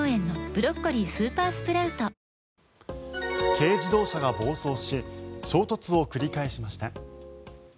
軽自動車が暴走し衝突を繰り返しました。